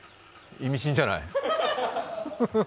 意味深じゃない。